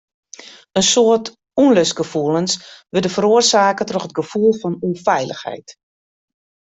In soad ûnlustgefoelens wurde feroarsake troch it gefoel fan ûnfeilichheid.